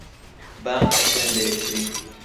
بانگ ئەکەن لە یەکتری